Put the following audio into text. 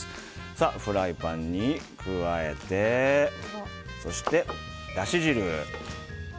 フライパンに加えてそして、だし汁。